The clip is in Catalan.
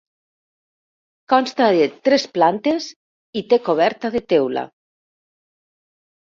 Consta de tres plantes i té coberta de teula.